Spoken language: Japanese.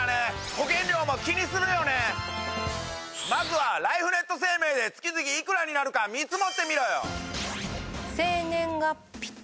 まずはライフネット生命で月々いくらになるか見積もってみろよ！